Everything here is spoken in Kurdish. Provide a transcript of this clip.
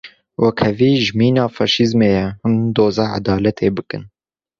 Wekhevî jî mîna faşîzmê ye, hûn doza edaletê bikin.